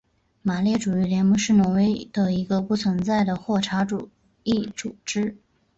马列主义联盟是挪威的一个已不存在的霍查主义组织。